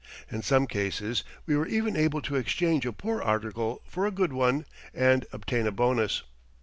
In some cases we were even able to exchange a poor article for a good one and obtain a bonus.